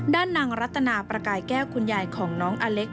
ด้านนางรัตนาประกายแก้วคุณยายของน้องอเล็ก